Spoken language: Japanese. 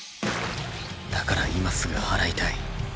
だから今すぐ祓いたい。